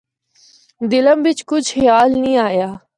دلے بچ کجھ خیال نینھ ایہا۔